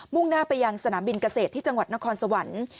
่งหน้าไปยังสนามบินเกษตรที่จังหวัดนครสวรรค์